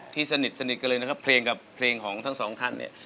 ที่สนิทกันเลยนะครับเพลงกับเพลงของทั้งสองท่านเนี่ย